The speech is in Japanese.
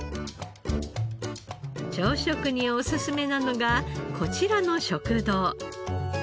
朝食におすすめなのがこちらの食堂。